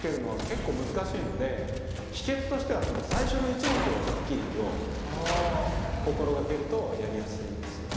結構難しいので秘けつとしては最初の１文字をはっきり言おうって心がけるとやりやすいです。